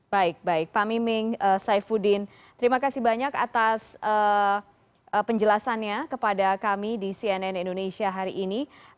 baik baik pak miming saifuddin terima kasih banyak atas penjelasannya kepada kami di cnn indonesia hari ini